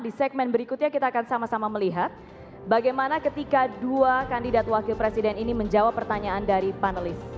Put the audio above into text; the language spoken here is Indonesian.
di segmen berikutnya kita akan sama sama melihat bagaimana ketika dua kandidat wakil presiden ini menjawab pertanyaan dari panelis